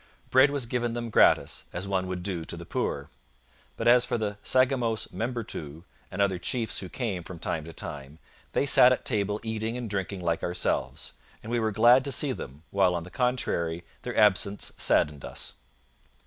Bread was given them gratis, as one would do to the poor. But as for the Sagamos Membertou, and other chiefs who came from time to time, they sat at table eating and drinking like ourselves. And we were glad to see them, while, on the contrary, their absence saddened us.'